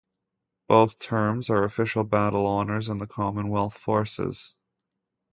Both terms are official Battle Honours in the Commonwealth forces.